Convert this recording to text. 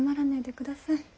ください。